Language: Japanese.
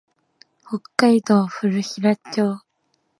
北海道古平町